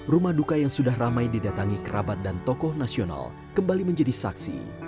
rumah duka yang sudah ramai didatangi kerabat dan tokoh nasional kembali menjadi saksi